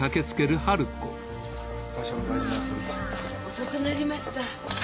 遅くなりました。